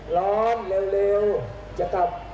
ถ้าไม่มาถึงเราเข้าไป